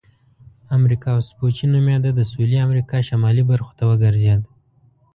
امریکا وسپوچې نومیده د سویلي امریکا شمالي برخو ته وګرځېد.